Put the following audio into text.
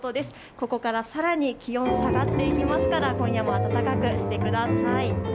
ここからさらに気温が下がっていきますから今夜も暖かくしてください。